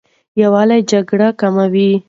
یووالی جګړه کموي.